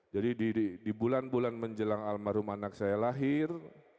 jadi di bulan bulan menjelang al mahrum anak saya lahir